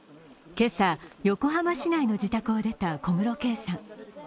今朝、横浜市内の自宅を出た小室圭さん。